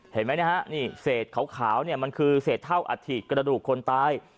เห็นไหมนะฮะเสร็จขาวมันคือเสร็จเท่าอาทิตย์กระดูกคนตาย